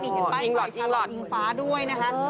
นี่เห็นป้ายปล่อยชาลอิงฟ้าด้วยนะฮะ